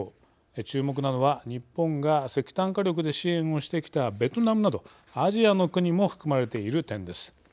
注目なのは日本が石炭火力で支援をしてきたベトナムなどアジアの国も含まれている点です。